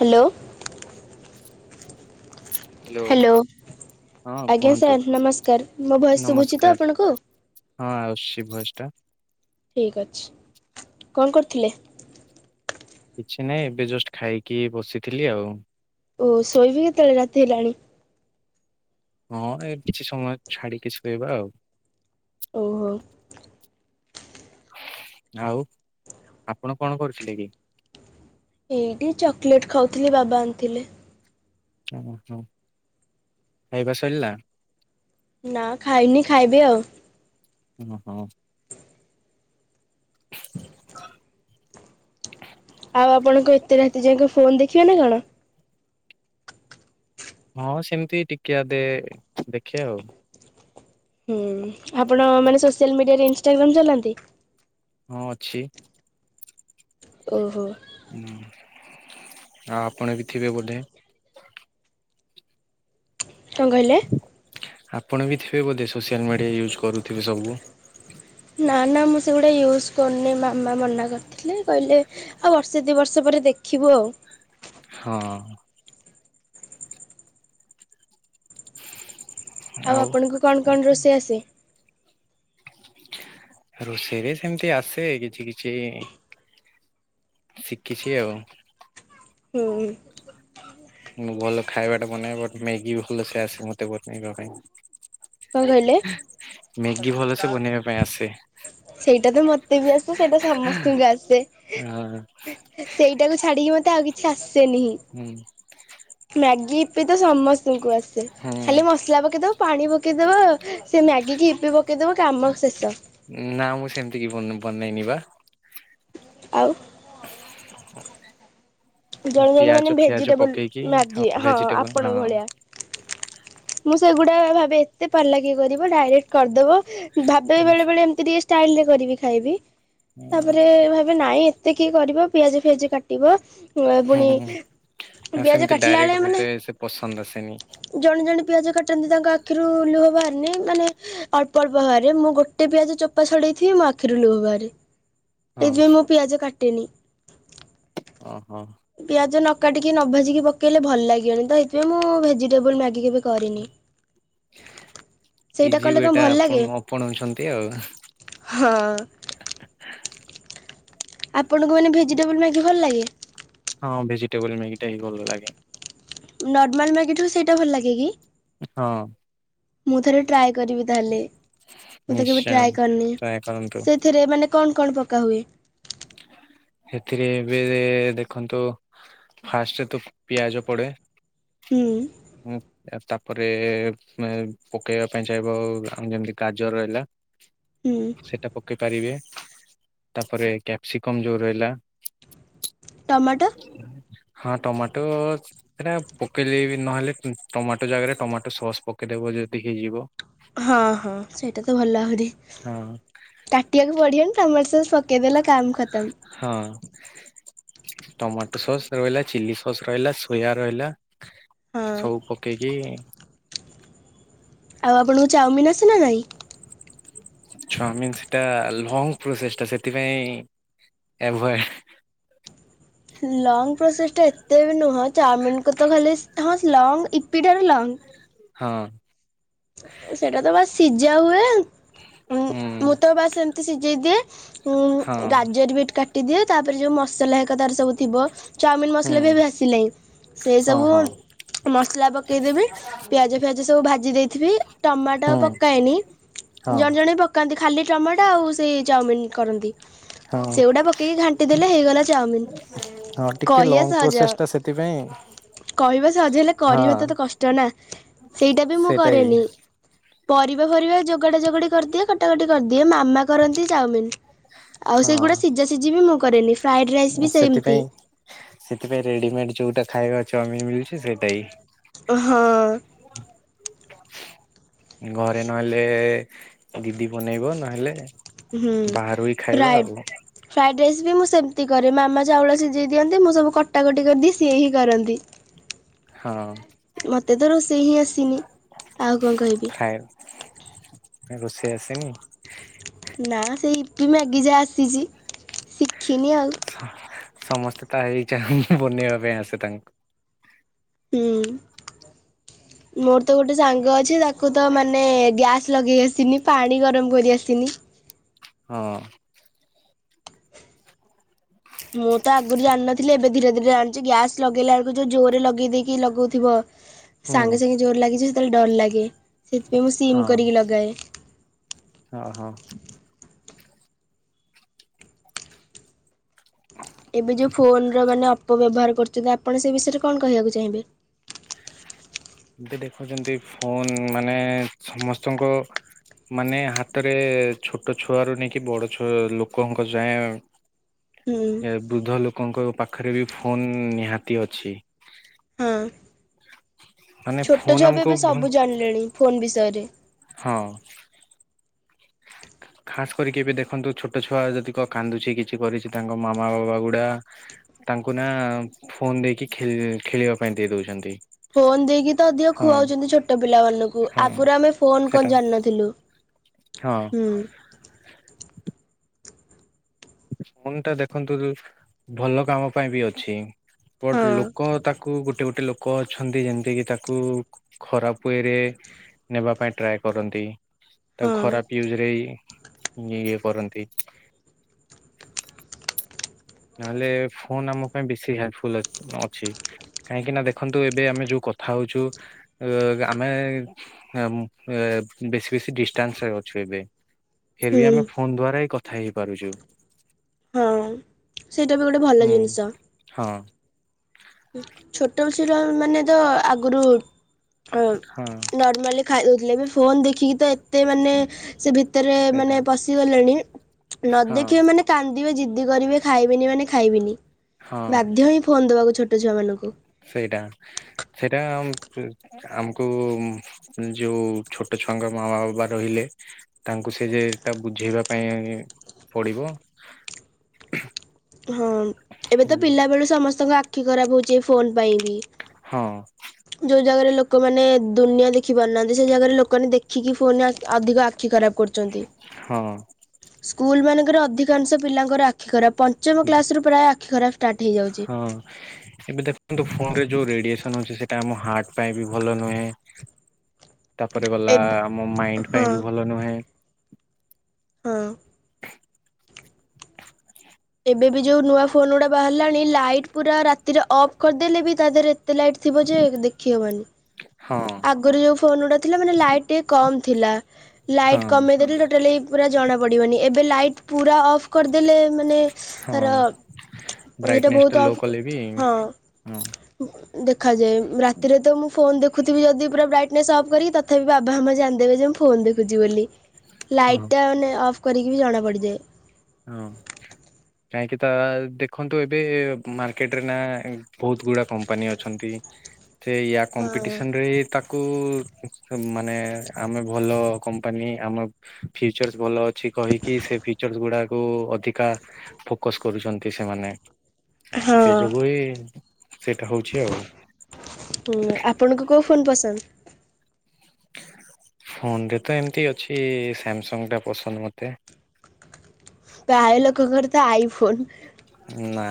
Hello. Hello. ହଁ ଆଜ୍ଞା କୁହନ୍ତୁ ସାର୍ ନମସ୍କାର ମୋ ଭୟସ ଶୁଭୁଛି ତ ନମସ୍କାର ଆପଣଙ୍କୁ? ହଁ ଆସୁଛି ଭଏସେ । ଠିକ ଅଛି କଣ କରୁଥିଲେ? କିଛି ନହିଁ ଏବେ ଜଷ୍ଟ ଖାଇକି ବସିଥିଲି ଆଉ। ଓ ଶୋଇବି କେତେବେଳେ ରାତି ହେଲାଣି? ହଁ ଏ କିଛି ସମୟ ଛାଡିକି ଶୁୋଇେଇବା ଆଉ। ଓହୋ। ଆଉ ଆପଣ କଣ କରୁଥିଲେ କି? ଏଇଠି ଚକୋଲେଟ ଖାଉଥିଲି ବାବା ଆଣିଥିଲେ। ଓ ହୋ ଖାଇବା ସରିଲା। ନା ଖାଇନି ଖାଇବି ଆଉ। ଓ ହୋଁ। ଆଉ ଆପଣଙ୍କ ଏତେ ରାତି ଯାକ ଫୋନ ଦେଖିବେ ନା କଣ? ହଁ ସେମିତି ଟିକିଏ ଅଧେ ଦେଖିବା ଆଉ। ହୁଁ ଆପଣ ମାନେ ସୋସିଆଲ ମିଡିଆରେ ଇନଷ୍ଟାଗ୍ରାମ ଚଲାନ୍ତି? ହଁ ଅଛି। ଓହୋ। ହୁଁ ଆଉ ଆପଣ ବି ଥିବେ ବୋଧେ। କଣ କହିଲେ? ଆପଣ ବି ଥିବେ ବୋଧେ ସୋସିଆଲ ମିଡିଆ ୟୁଜ୍ କରୁଥିବେ ସବୁ । ନା ନା ମୁଁ ସେଗୁଡା ୟୁଜ କରୁନି ମାମା ମନା କର ଥିଲେ କହିଲେ ଆଉ ବର୍ଷେ ଦି ବର୍ଷ ପରେ ଦେଖିବୁ ଆଉ । ହଁ । ଆଉ ଆପଣଙ୍କୁ କଣ କଣ ରୋଷଇ ଆସେ। ରୋଷେଇରେ ସେମିତି ଆସେ କିଛି କିଛି । ଶିଖିଛି ଆଉ। ହୁଁ ମୁଁ ଭଲ ଖାଇବା ଟା ବନେଏ ବଟ ମ୍ୟାଗି ଭଲ ସେ ଆସେ ମତେ ବନେଇବା ପାଇଁ। କଣ କହିଲେ? ମ୍ୟାଗି ଭଲସେ ବନେଇବା ପାଇଁ ଆସେ। ସେଇଟା ତ ମତେ ବି ଆସେ ସେଇଟା ସମସ୍ତଙ୍କୁ ଆସେ ଅ ସେଇ ଟାକୁ ଛାଡିକି ମତେ ଆଉ କିଛି ଆସେନି ହି ହୁଁ ମ୍ୟାଗି ଇପି ତ ସମସ୍ତଙ୍କୁ ଆସେ । ସେ ହୁଁ। ଖାଲି ମସଲା ପକେଇଦବ ପାଣି ପକେଇଦବ ସେ ମ୍ୟାଗି କି ଇପୀ ପ ପକେଇଦବ କାମ ଶେଷ। ନା ମୁଁ ସେମିତି କି ବନେ ବନେଇନି ବା। ଆଉ। ଜଣେ ଜଣେ ପିଆଜ ମାନେ ଫିଆଜ ଭେଜିଟେବୁଲ ପକେଇକି ମ୍ୟାଗି ହଁ ଭେଜିଟେବଲ ହଁ ଆପଣଙ୍କ ଭଳିଆ। ମୁଁ ସେଗୁଡା। ଭାବେ ଏତେ ପାଲା କିଏ କରିବ ଡାଇରେକ୍ଟ କରିଦବ ଭାବେ ବେଳେବେଳେ ଏମିତି ଟିକେ। ଷ୍ଟାଇଲରେ କରିବି ଖାଇବି ତାପରେ ଭାବେ ନାଇଁ। ଏତେ କିଏ କରିବ ପିଆଜ ଫିଆଜ କାଟିବ। ପୁଣି ହୁଁ ଆଉ ପିଆଜ ସେମିତି କାଟିଲା ଡାଇରେକ୍ଟ ବେଳେ ମାନେ। ମତେ ସେ ପସନ୍ଦ ଆସେନି। ଜଣେ ଜଣେ ପିଆଜ କାଟନ୍ତି ତାଙ୍କ ଆଖିରୁ ଲୁହ ବାହାରେନି ମାନେ ଅ ଅଳ୍ପ ଅଳ୍ପ ବାହାରେ ମୁଁ ଗୋଟେ ପିଆଜ ଚୋପା ଛଡେଇଥିବି ମୋ ଆଖିରୁ ଲୁହ ବାହାରେ। ହଁ ସେଇଥିପାଇଁ ମୁଁ ପିଆଜ କାଟେନି। ଓ ହୋ। ପିଆଜ ନ କାଟିକି ନ ଭାଜିକି ପକେଇଲେ ଭଲ ଲାଗିବନି ତ ହେଇଥିପାଇଁ ମୁଁ ଭେଜିଟେବୁଲ ମାଗି କେବେ କରିନି। ସେଇଟା ଇଜି କଲେ ୱେ ଟା କଣ ଭଲ ଆପଣ ଲାଗେ ଆପଣଉଛନ୍ତି ଆଉ ହଁ। ଆପଣ ଙ୍କୁ ମାନେ ଭେଜିଟେବୁଲ ମ୍ୟାଗି ଭଲ ଲାଗେ। ହଁ ଭେଜିଟେବୁଲ ମ୍ୟାଗୀ ଟା ହିଁ ଭଲ ଲାଗେ। ନର୍ମାଲ ମ୍ୟାଗି ଠୁ ସେଇଟା ଭଲ ଲାଗେ କି। ହଁ। ମୁଁ ଥରେ ଟ୍ରାଏ କରିବି ତାହେଲେ ମୁଁ ତ କେବେ ନିଶ୍ଚୟ ଟ୍ରାଏ କରିନି ଟ୍ରାଏ କରନ୍ତୁ ସେଥିରେ ମାନେ କଣ କଣ ପକା ହୁଏ। ସେଥିରେ ଏବେ ଦେଖନ୍ତୁ ଫାର୍ଷ୍ଟରେ ତ ପିଆଜ ପଡେ। ହୁଁ ହୁଁ। ତାପରେ ମେ ପକେଇବା ପାଇଁ ଚାହିଁବ ଯେମିତି ଗାଜର ହେଲା। ହୁଁ ସେଟା ପକେଇ ପାରିବେ ତାପରେ କ୍ୟାପସିକମ ଯୋଉ ରହିଲା। ଟମାଟୋ ହଁ ଟମାଟୋ ସେଟା ପକେଇଲେ ବି ନହେଲେ ଟମାଟୋ ଜାଗାରେ ଟମାଟୋ ସସ୍ ପକେଇଲେ ବି । ଯେତିକି ହେଇଯିବ। ହଁ ହଁ ସେଇଟା ତ ଭଲ ଆହୁରି ହଁ କାଟିବାକୁ ପଡିବନି ଟମାଟୋ ସସ୍। ପକେଇଦେଲ କାମ ଖତମ। ହଁ ଟମାଟୋ ସସ୍। ରହିଲା ଚିଲି ସସ୍ ରହିଲା ସୋୟା ରହିଲା ହଁ ସବୁ ପକେଇକି। ଆଉ ଆପଣଙ୍କୁ ଚାଉମିିନ ଆସେ ନା ନାଇଁ। ଚାଉମିନ ସେଟା ଲଙ୍ଗ ପ୍ରୋସେସ ଟା ସେଥିପାଇଁ। ଏଭୋଏ ହେ ଲଙ୍ଗ ପ୍ରୋସେସ୍ ଟା ଏତେ ବି ନୁହଁ ଚାଓମିିନକୁ ତ ଖାଲି ସ ହଁ ଲଙ୍ଗ ଇପିଟାରୁ ଲଙ୍ଗ। ହଁ। ସେଟା ତ ବାସ ସିଝା ହୁଏ। ଉଁ, ହୁଁ ମୁଁ ତ ବାସ୍ ଏମତି ସିଝେଇଦିଏ। ଉଁ ହଁ ଗାଜର ବିଟ କାଟ କାଟି ଦିଏ ତାପରେ ଯୋଉ ମସଲା ହେ ତାର ସବୁ ଥିବ। ଚାଓମିନ ହୁଁ ମସଲା ବି ଏବେ ଆସିଲାଇଁ ସେ ହଁ ସବୁ ହଁ ମସଲା ପକେଇଦେବି। ପିଆଜ ଫିଆଜ ସବୁ ଭାଜି ଦେଇ ଟମାଟୋ ହୁଁ ପକାଏନି। ହଁ ଜଣେ ଜଣେ ପକାନ୍ତି, ଖାଲି ଟମାଟୋ ଆଉ ସେଇ ଚାଓମିିନ କରନ୍ତି। ହଁ ସେଗୁଡା ପକେଇକି ଘାଣ୍ଟି ଦେଲେ ହେଇଗଲା ଚାଉମିନ। ହଁ, ଟିକେ କହିବା ଲଙ୍ଗ ସହଜ ପ୍ରୋସେସ ଟା ସେଥିପାଇଁ କହିବା ସହଜ ହେଲେ ହଁ କରିବା ତ ତ କଷ୍ଟ ନା। ସେଇଟା ବି ମୁଁ କ ଟେ ପରିବା ଫରିବା ଯୋଗାଡ ଯୋଗଡ଼ି କରିଦିଏ କଟାକଟି କରିଦିଏ। ମାମା କରନ୍ତି ଚାଉମିନ। ଆଉ ସେଗୁଡା ହଁ ସିଝା ସିଝି ବି ମୁଁ କରେନି। ଫ୍ରାଏଡ ରାଇସ୍ ବି ସେମିତି ସେଥିପାଇଁ ସେଥିପାଇଁ ରେଡିମେଡ୍ ଯୋଉଟା ଖାଇବା ଚଉମି ମିଳୁଛି ସେଇଟା ହି। ହଁ। ଘରେ ନହେଲେ ଦିଦି ବନେଇବ ନହେଲେ ହୁଁ ବାହାରୁହି ଖାଇବା ଆଉ। ତି କରେ ମାମା ଚାଉଳ ସିଝେଇ ଦିଅନ୍ତି। ମୁଁ ସବୁ କଟାକଟି କରିଦିଏ ସିଏ ହି କରନ୍ତି। ହଁ। ମତେ ତ ରୋଷେଇ ହିଁ ଆସିନି ଆଉ କଣ କହିବି। ଫ୍ରାଏ ରୋଷେଇ ଆସିନି। ନା, ସେଇ ଇପି ମ୍ୟାଗି ଯା ଆସିଛି ଶିଖିନି ଆଉ। ସମସ୍ତେ ତା ହେଇଚା ବନେଇବା ପାଇଁ ଆସେ ତାଙ୍କୁ। ହୁଁ, ମୋର ତ ଗୋଟେ ସାଙ୍ଗ ଅଛି। ତାକୁ ତ ମାନେ ଗ୍ୟାସ ଲଗେଇ ଆସିନି, ପାଣି ଗରମ କରି ଆସିନି। ହଁ। ମୁଁ ତ ଆଗରୁ ଜାଣିନଥିଲି, ଏବେ ଧୀରେ ଧୀରେ ଜାଣିଛି। ଗ୍ୟାସ ଲଗେଇଲା ଆଳକୁ ଯୋଉ ଜୋରରେ ଲଗେଇଦେଇକି ଲଗଉଥିବ। ହୁଁ ସାଙ୍ଗେ ସାଙ୍ଗେ ଜୋର ଲାଗିଛି ସେତେବେଳେ ଡର ଲାଗେ। ସେଥିପାଇଁ ମୁଁ ହଁ ସିମ୍ କରିକି ଲଗାଏ। ହଁ ହଁ। ଏବେ ଯଉ ଫୋନ୍ ର ମାନେ ଅପ ବ୍ୟବହାର କରୁଛନ୍ତି, ଆପଣ ସେ ବିଷୟରେ କଣ କହିବାକୁ ଚାହିଁବେ? ଅଦି ଦେଖୁଛନ୍ତି, ଫୋନ୍ ମାନେ ସମସ୍ତଙ୍କ ମାନେ ହାତରେ ଛୋଟ ଛୁଆରୁ ନେଇକି, ବଡ ଛୁଆ ଲୋକଙ୍କ ଯାଏଁ ହୁଁ ଏ ବୃଦ୍ଧ ଲୋ କଙ୍କ ପାଖରେ ବି ଫୋନ୍ ନିହାତି ଅଛି। ହଁ ମାନେ ଛୋଟ ଫୋନ ଛୁଆ ବି ଆମକୁ ଏବେ ଭ ସବୁ ଜାଣିଲେଣି ଫୋନ୍ ବିଷୟରେ। ହଁ। ଖାସ୍ କରିକି ଏବେ ଦେଖନ୍ତୁ, ଛୋଟ ଛୁଆ ଯଦି କ-କାନ୍ଦୁଛି କିଛି କରିଛି, ତାଙ୍କ ମାମା ବାବା ଗୁଡା ତାଙ୍କୁ ନା ଫୋନ୍ ଦେଇକି ଖେ-ଖେଳିବା ପାଇଁ ଦେଇ ଦଉଛନ୍ତି। ଫୋନ୍ ଦେଇକି ତ ଅଧିକ ହଁ ଖୁଆଉଛନ୍ତି ଛୋଟ ପିଲାମାନଙ୍କୁ, ହଁ ଆଗରୁ ଆମେ ଫୋନ୍ ସେଟା କଣ ଜାଣିନଥିଲୁ। ହଁ ହୁଁ। ଫୋନ୍ ଟା ଦେଖନ୍ତୁ ଭଲ କାମ ପାଇଁ ବି ଅଛି। ବଟ ହଁ। ଲୋକ ତାକୁ ଗୋଟେ ଗୋ ଟେ ଲୋକ ଅଛନ୍ତି, ଯେମିତିକି ତାକୁ ଖରାପ ୱେରେ ନେବା ପାଇଁ ଟ୍ରାଏ କରନ୍ତି। ତାକୁ ହଁ ଖରାପ ୟୁଜରେଇ ଇଏ କରନ୍ତି। ନହେଲେ ଫୋନ୍ ଆମ ପାଇଁ ବେଶୀ ହେଲ୍ପଫୁଲ ଅଛି। କାହିଁକି ନା ଦେଖନ୍ତୁ ଏବେ ଆମେ ଯୋଉ କଥା ହଉଛୁ। ଆମେ ବେଶୀ ବେଶୀ ଡିଷ୍ଟାନ୍ସରେ ଅଛୁ। ଫିରବି ହୁଁ ହେଲେ ଆମେ ଫୋନ ଦ୍ଵାରା ହିଁ କଥା ହେଇପାରୁଛୁ। ହଁ ସେଇଟା ବି ଗୋଟେ ଭଲ ହୁଁ ଜିନିଷ। ହଁ ଛୋଟ ପିଲା ମାନେ ତ ଆଗରୁ ହଁ ନର୍ମାଲି ଖାଇ ଦେଉଥିଲେ ବି ଫୋନ୍ ଦେଖିକି ତ ଏତେ ମାନେ ସେ ଭି ଭିତରେ ସେଇଟା ମାନେ ପଶିଗଲେଣି ନ ହଁ ଦେଖିବା ମାନେ କାନ୍ଦିବେ ଜି ଜିଦି କରିବେ ଖାଇବିନି ମାନେ ଖାଇବିନି ହଁ ବାଧ୍ୟ ହିଁ ଫୋନ ଦେବାକୁ ଛୋଟ ଛୁଆମାନଙ୍କୁ ସେଇଟା ସେଇଟା ଆମକୁ ଯୋଉଁ ଛୋଟ ଛୁଆଙ୍କ ମାମା ବାବା କହିଲେ, ତାଙ୍କୁ ସେ ଯୋଉଁଟା ବୁଝେଇବା ପାଇଁ ପଡିବ। ହଁ, ଏବେତ ପିଲାବେଳୁ ସମସ୍ତଙ୍କ ଆଖି ଖରାପ ହଉଛି। ଏ ଫୋନ ପାଇଁକି ହଁ ଯୋଉଁ ଜାଗାରେ ଲୋକ ଲୋକମାନେ ଦୁନିଆ ଦେଖିପାରୁନାହାନ୍ତି। ସେଜାଗାରେ ଲୋକମାନେ ଦେଖିକି ଫୋନରେ ଅଧିକ ଆଖି ଖରାପ କରୁ ହଁ। ସ୍କୁଲମାନଙ୍କରେ ଅଧିକାଂଶ ପିଲାଙ୍କର ଆଖି ଖରାପ, ପଞ୍ଚମ କ୍ଲାସରୁ ପ୍ରାୟ ଆଖି ଖରାପ। ଷ୍ଟାର୍ଟ ହେଇଯାଉଛି। ହଁ, ଏବେ ଦେଖନ୍ତୁ ଫୋନରେ ଯୋଉଁ ରେଡିଏସନ ହେଉଚି ସେ ସେଟା ଆମ ହାର୍ଟ ପାଇଁବି ଭଲ ନୁହେଁ। ତାପରେ ଗଲା, ଏବେ ଆମ ମାଇଣ୍ଡ ହଁ ପାଇଁ ବି ଭଲ ନୁହେଁ। ହଁ। ଏବେବି ଯୋଉଁ ନୂଆ ଫୋନଗୁଡା ବାହାରିଲାଣି ଲାଇଟପୁରା ରାତିରେ ଅଫ୍ କରିଦେଲେବି ତା ଦେହରେ ଏତେ ଲାଇଟ ଥିବ ଯେ ଦେଖିହବନି, ହଁ ଆଗରୁ ଯୋଉଁ ଫୋନ ଗୁଡାଥିଲା ମାନେ ଲାଇଟ୍ ଟ କମ୍ ଥିଲା। ହଁ ଲାଇଟ କମେଇ ଦେଲେ ଟୋଟାଲୀ ପୁରା ଜଣା ପଡିବନି। ଏବେ ଲାଇଟ ପୁରା ଅଫ କରିଦଲେ ମାନେ ହଁ ତାର ସେଟା ବ୍ରାଇଟନେସ୍ ଟା ବହୁତ ଲୋ କଲେ ବି ହଁ ହଁ ଦେଖାଯାଏ। ରାତିରେତ ମୁଁ ଫୋନ ଦେଖ ଦେଖୁଥିବି ଯଦି ପୁରା ବ୍ରାଇଟନେସ୍ ଅଫ୍ କରିକି, ତଥାପି ବାବା ମାମା ଜାଣିଦେବେ ଯେ ମୁଁ ଫୋନ ଦେଖୁଛି ବୋଲି। ହଁ। ଲାଇଟ୍ ମାନେ ଅଫ୍ କରିକିବି ଜଣା ପଡ଼ିଯାଏ। ହଁ। କାହିଁକି ତା ଦେଖନ୍ତୁ ଏବେ ମାର୍କେଟ ରେ ନା ବହୁତଗୁଡା କମ୍ପାନୀ ଅଛନ୍ତି। ସେୟା ହଁ କମ୍ପିଟିସନରେ ତା କୁ ମାନେ ଆମେ ଭଲ କମ୍ପାନୀ ଆମ ଫିୁଚର୍ସ ଭଲଅଛି। କହିକି ସେ ଫିଚର୍ ଗୁଡା କୁ ଅଧିକା ଫୋକସ କରୁଛନ୍ତି ସେମାନେ, ହଁ ସେ ଯୋଗୁ ହି ହୁଁ, ଆପଣଙ୍କୁ କୋଉଁ ଫୋନ୍ ପସନ୍ଦ? [inaudible] ଫୋନରେ ତ ଏମିତି ଅଛି ସାମସଙ୍ଗଟା ପସନ୍ଦ ମତେ। ପ୍ରାୟଲୋକଙ୍କର ତ ଆଇଫୋନ। ନା,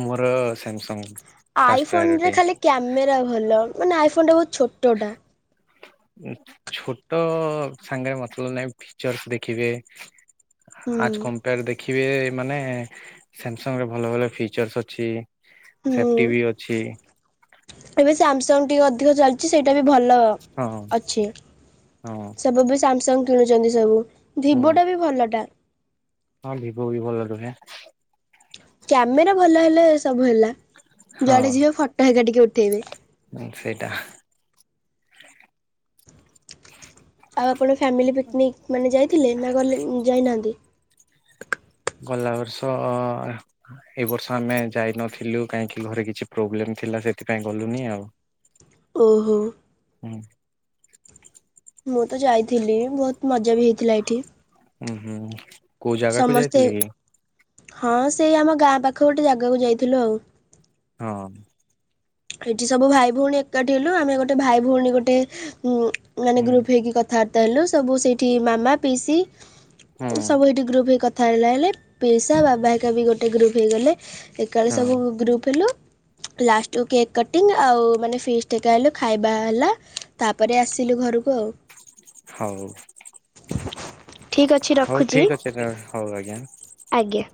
ମୋର ସାମସଙ୍ଗ। ଫାଷ୍ଟ ଆଇଫୋନରେ ପ୍ରାୟୋରିଟି ଖାଲି କ୍ୟାମେରା ଭଲ, ମାନେ ଆଇଫୋନ ଟା ବହୁତ ଛୋଟଟା। ଛୋଟ ସାଙ୍ଗରେ ମତଲବ ନାହିଁ। ଫିଚର୍ସ ଦେଖିବେ ହୁଁ ଆଜ କମ୍ପେୟାର ଦେଖିବେ ମାନେ ସାମସଙ୍ଗରେ ଭଲଭଲ ଫିଚର୍ସ ଅଛି। ହୁଁ, ସେଫ୍ଟି ବି ଅଛି ଏବେ ସାମସଙ୍ଗ ଟିକେ ଅଧିକ ଚାଲିଛି। ଛି ସେଇଟା ବି ଭଲ ହଁ ଅଛି, ହଁ ସବୁବି ସାମସଙ୍ଗ କିଣୁଛନ୍ତି ସବୁ। ଭିଭୋ ହୁଁ ଟା ବି ଭଲଟା। ହଁ ଭିବ ବି ଭଲ ରୁହେ। କ୍ୟାମେରା ଭଲ ହେଲେ ସବୁ ହେଲା, ହଁ ଯୁଆଡେ ଯିବେ ଫଟୋ ହେକା ଟିକେ ଉଠେଇବେ। ସେଇଟା। ଆଉ ଆପଣ ଫ୍ୟାମିଲି ପିକନିକ ମାନେ ଯାଇଥିଲେ ନା ଗଲେ ଯାଇନାହାନ୍ତି? ଗଲା ବର୍ଷ ଏ ବର୍ଷ ଆମେ ଯାଇନଥିଲୁ କାହିଁକି ଘରେ କିଛି ପ୍ରୋବ୍ଲେମ ଥିଲା। ସେଥିପାଇଁ ଗଲୁନି ଆଉ ଓହୋ। [unintelligible] ମୁଁ ତ ଯାଇଥିଲି ବହୁତ ମଜାବି ହେଇଥିଲା ଏଇଠି। ଉୁଁ ହୁଁ, କୋଉ ଜାଗାକୁ ଯାଇଥିଲେ କି? ହଁ ସେଇ ଆମ ଗାଁ ପାଖ ଗୋଟେ ଜାଗା ହଁ। ଏଠି ସବୁ ଭାଇଭଉଣୀ ଏକାଠି ହେଲୁ, ଆମେ ଗୋଟେ ଭାଇଭଉଣୀ ଗୋଟେ ଉଁ ମାନେ ହୁଁ ଗ୍ରୁପ ହେଇକି କଥାବାର୍ତ୍ତା ହେଲୁ ସବୁ ସେଇଠି ମାମା ପିସି। ହୁଁ ସବୁ ଏଇଠି ଗ୍ରୁପ୍ ହେଇ କଥା ହେଲାହେଲେ, ପିଇସା ବାବା ହେକାବି ଗୋଟେ ଗ୍ରୁପ୍ ହେଇଗଲେ। ଏକାଠି ସବୁ ହଁ ଗ୍ରୁପ ହେଲୁ ଲାଷ୍ଟ କେକ୍ କଟିଙ୍ଗ ଆଉ ମାନେ ଫିସ୍ ଟେକା ହେଲୁ ଖାଇବା ହେଲା ତାପରେ ଆସିଲୁ ଘରକୁ ଆଉ। ହଉ। ଠିକ ଅଛି ହଉ ରଖୁଛି। ଠିକ୍ ଅଛି ତା- ହଉ ଆଜ୍ଞା। ଆଜ୍ଞା।